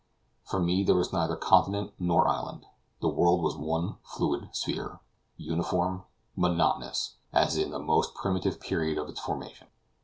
For me there was neither continent nor island; the world was one fluid sphere, uniform, monotonous, as in the most primitive period of its formation.